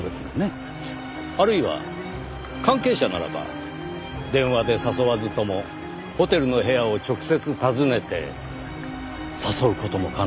あるいは関係者ならば電話で誘わずともホテルの部屋を直接訪ねて誘う事も可能ですねぇ。